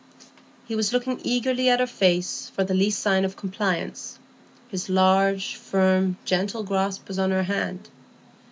He was looking eagerly at her face for the least sign of compliance; his large, firm, gentle grasp was on her hand.